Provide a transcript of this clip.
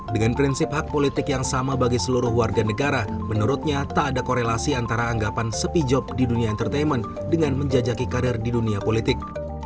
dengan prinsip hak politik yang sama bagi seluruh warga negara menurutnya tak ada korelasi antara anggapan sepi job di dunia entertainment dengan menjajaki karir di dunia politik